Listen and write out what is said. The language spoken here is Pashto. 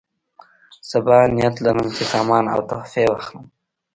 صبا نیت لرم چې سامان او تحفې واخلم.